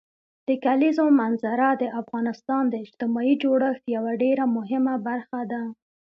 د کلیزو منظره د افغانستان د اجتماعي جوړښت یوه ډېره مهمه برخه ده.